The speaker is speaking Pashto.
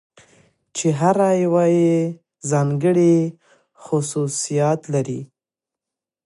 چې هره يوه يې ځانګړى خصوصيات لري .